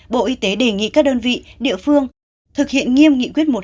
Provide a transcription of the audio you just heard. bộ y tế đề nghị các đơn vị địa phương thực hiện nghiêm nghị quyết một trăm hai mươi tám